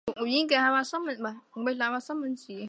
再用刀仔细雕刻至完成。